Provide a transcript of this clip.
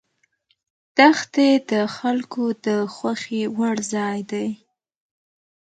دښتې د خلکو د خوښې وړ ځای دی.